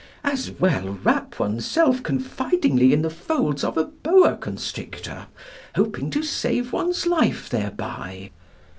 As well wrap oneself confidingly in the folds of a boa constrictor, hoping to save one's life thereby.